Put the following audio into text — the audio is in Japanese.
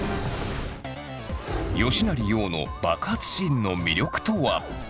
吉成曜の爆発シーンの魅力とは。